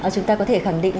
chúng ta có thể khẳng định